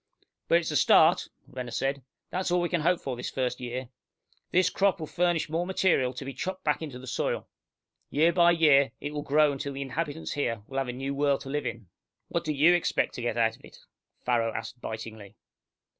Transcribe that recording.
"But it's a start," Renner said. "That's all we can hope for this first year. This crop will furnish more material to be chopped back into the soil. Year by year it will grow until the inhabitants here will have a new world to live in!" "What do you expect to get out of it?" Farrow asked bitingly.